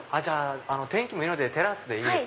天気もいいのでテラスで。